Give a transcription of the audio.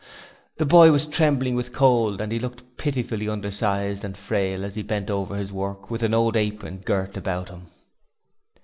The boy was trembling with cold and he looked pitifully undersized and frail as he bent over his work with an old apron girt about him.